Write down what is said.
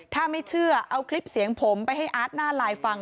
ถ้าไม่เชื่อเอาคลิปเสียงผมไปให้อาร์ตหน้าไลน์ฟัง